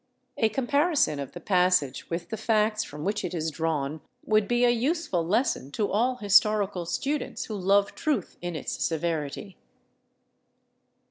A comparison of the passage with the facts from which it is drawn would be a useful lesson to all historical students who love truth in its severity.